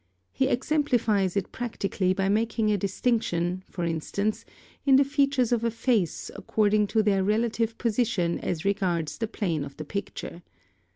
He exemplifies it practically by making a distinction, for instance, in the features of a face according to their relative position as regards the plane of the picture.